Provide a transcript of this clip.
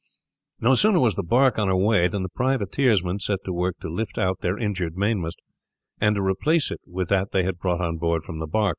No sooner was the bark on her way than the privateersmen set to work to lift out their injured mainmast, and to replace it with that they had brought on board from the bark.